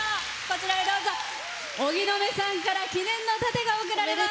荻野目さんから記念の盾が贈られます。